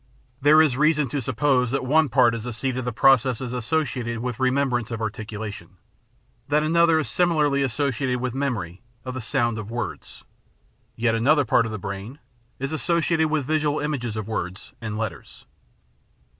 There is reason to suppose that one part is the seat of the processes associated with remembrance of articulation; that another is similarly associated with memory of the sound of words; yet another part of the brain is associated with visual images of words and letters.